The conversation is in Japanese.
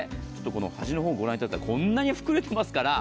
端の方を御覧いただくとこんなに膨れてますから。